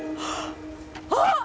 あっ！